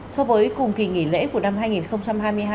so với cùng kỳ nghỉ lễ của năm hai nghìn hai mươi hai